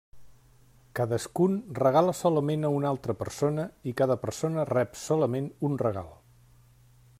Cadascun regala solament a una altra persona, i cada persona rep solament un regal.